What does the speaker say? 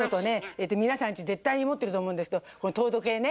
えっと皆さんち絶対に持ってると思うんですけどこの糖度計ね。